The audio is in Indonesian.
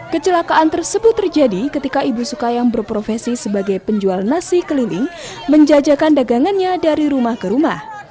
kecelakaan tersebut terjadi ketika ibu suka yang berprofesi sebagai penjual nasi keliling menjajakan dagangannya dari rumah ke rumah